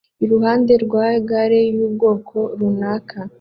iruhande rwa gare y'ubwoko runaka